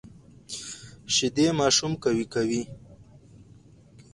شیدې ماشوم قوي کوي